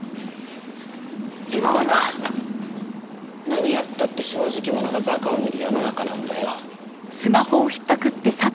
今はな何やったって正直者が馬鹿を見る世の中なんだよ。